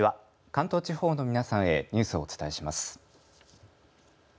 関東地方の皆さんへニュースをお伝えします。